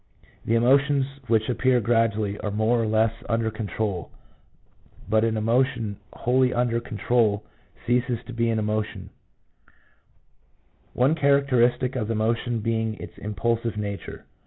The emotions which appear gradually are more or less under control, but an emotion wholly under control ceases to be an emotion ; one character istic of the emotion being its impulsive nature.